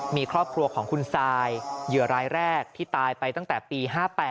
มีครอบครัวของคุณซายเหยื่อรายแรกที่ตายไปตั้งแต่ปี๕๘